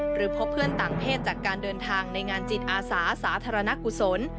พบเพื่อนต่างเพศจากการเดินทางในงานจิตอาสาสาธารณกุศล